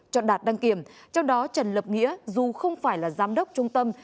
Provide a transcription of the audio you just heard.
cho đạt đăng kiểm trong đó trần lập nghĩa dù không phải là giám đốc trung tâm